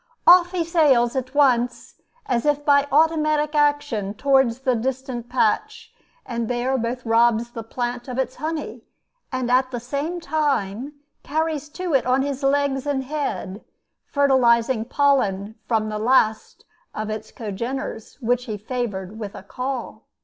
Off he sails at once, as if by automatic action, towards the distant patch, and there both robs the plant of its honey, and at the same time carries to it on his legs and head fertilizing pollen from the last of its congeners which he favored with a call.